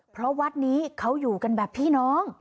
เพราะวัดนี้เขาอยู่กันแบบพี่น้อง